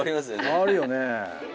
変わるよね。